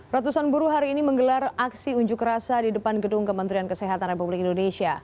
ratusan buruh hari ini menggelar aksi unjuk rasa di depan gedung kementerian kesehatan republik indonesia